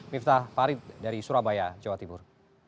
pak arief dari surabaya jawa timur